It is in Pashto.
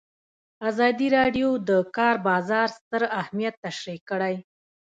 ازادي راډیو د د کار بازار ستر اهميت تشریح کړی.